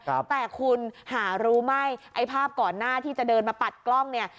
แต่คุณหารู้ไหมไอ้ภาพก่อนหน้าที่จะเดินมาปัดกล้องเนี่ย